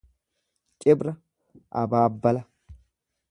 Cibra abaabbala